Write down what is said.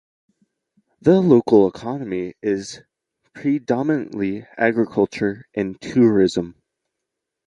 The local economy is predominately agriculture and tourism.